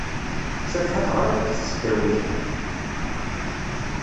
Cabḥa teɣra deg tesdawit.